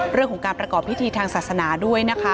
เรื่องของการประกอบพิธีทางศาสนาด้วย